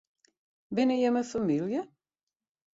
Binne jimme famylje?